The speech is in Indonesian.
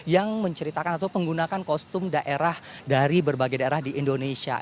yang menceritakan atau menggunakan kostum daerah dari berbagai daerah di indonesia